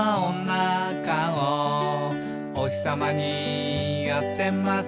「おひさまに当てます」